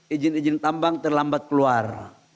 izin izin tambang terlambat keluar